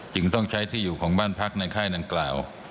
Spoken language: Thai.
จึงต้องใช้ที่อยู่ของบ้านพักในค่ายดังกล่าว